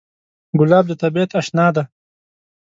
ګلاب د طبیعت اشنا دی.